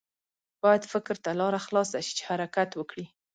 باید فکر ته لاره خلاصه شي چې حرکت وکړي.